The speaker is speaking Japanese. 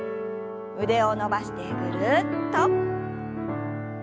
腕を伸ばしてぐるっと。